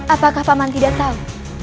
apakah paman tidak tahu